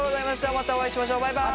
またお会いしましょうバイバイ。